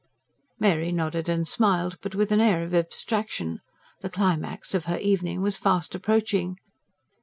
Mary nodded and smiled; but with an air of abstraction. The climax of her evening was fast approaching.